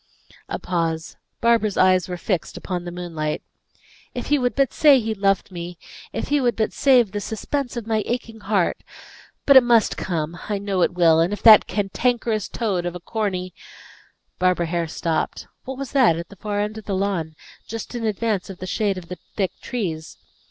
A pause. Barbara's eyes were fixed upon the moonlight. "If he would but say he loved me! If he would but save the suspense of my aching heart! But it must come; I know it will; and if that cantankerous toad of a Corny " Barbara Hare stopped. What was that, at the far end of the lawn, just in advance of the shade of the thick trees?